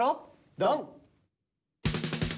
ドン！